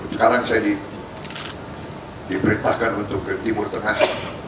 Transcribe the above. sekarang saya diperintahkan untuk ke timur tengah